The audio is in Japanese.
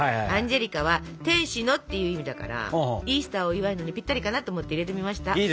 アンジェリカは「天使の」っていう意味だからイースターを祝うのにぴったりかなと思って入れてみました。